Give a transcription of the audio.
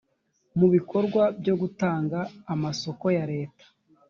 mu bikorwa byo gutanga amasoko ya leta